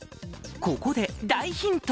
ここで大ヒント